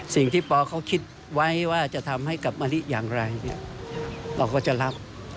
สิ่งที่ปอเขาคิดว่าจะทำให้กับมะลิอย่างไรเราก็จะรับ